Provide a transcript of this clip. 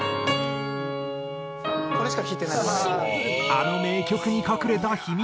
あの名曲に隠れた秘密。